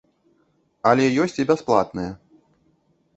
Але ёсць і бясплатныя.